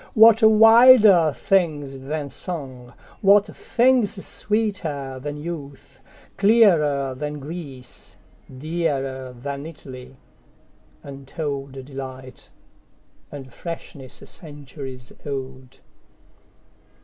What wilder things than song, what thingsSweeter than youth, clearer than Greece, Dearer than Italy, untoldDelight, and freshness centuries old?